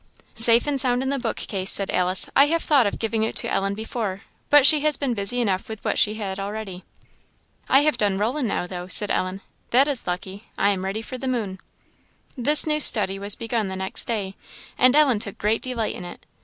"Safe and sound in the book case," said Alice. "I have thought of giving it to Ellen before, but she has been busy enough with what she had already." "I have done Rollin, now, though," said Ellen; "that is lucky, I am ready for the moon." This new study was begun the next day, and Ellen took great delight in it.